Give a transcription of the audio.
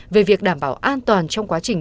về việc đảm bảo an toàn trong quá trình